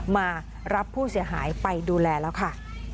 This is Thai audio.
มารับผู้เสียหายไปดูแลแล้วค่ะ